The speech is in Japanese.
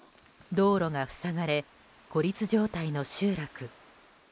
道路が塞がれ孤立状態の集落。